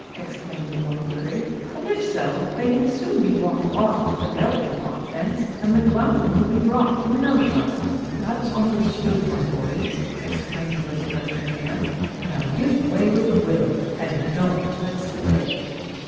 exclaimed the Lully Prig; "and, if so, they can soon be walked off to the melting pot fence, and the glanthem will be dropped in no time." "That's understood, my boys," exclaimed the Resurrection Man. "Now, give way with a will, and don't let's delay."